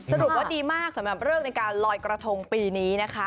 สรุปว่าดีมากสำหรับเลิกในการลอยกระทงปีนี้นะคะ